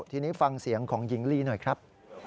ทีนี้ฟังเสียงของหญิงลีหน่อยครับ